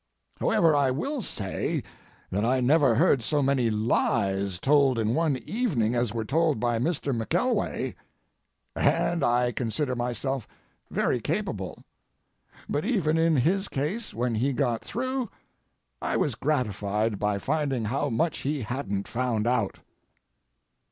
However, I will say that I never heard so many lies told in one evening as were told by Mr. McKelway—and I consider myself very capable; but even in his case, when he got through, I was gratified by finding how much he hadn't found out.